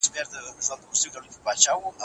که سړی پوهه ولري نو د کورنۍ ژوند به یې ارام وي.